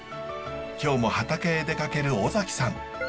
今日も畑へ出かける尾崎さん。